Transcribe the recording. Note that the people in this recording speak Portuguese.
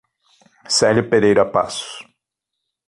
Celio Pereira Passos